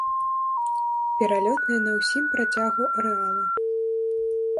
Пералётная на ўсім працягу арэала.